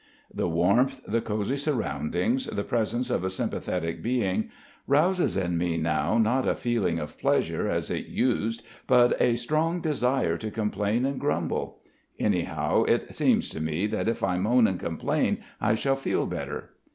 The warmth, the cosy surroundings, the presence of a sympathetic being, rouses in me now not a feeling of pleasure as it used but a strong desire to complain and grumble. Anyhow it seems to me that if I moan and complain I shall feel better.